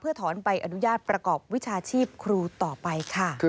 เพื่อถอนไปอนุญาตประกอบวิชาชีพครูต่อไป